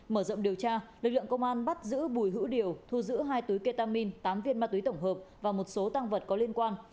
mở rộng điều tra lực lượng công an bắt giữ bùi hữu điều thu giữ hai túi ketamin tám viên ma túy tổng hợp và một số tăng vật có liên quan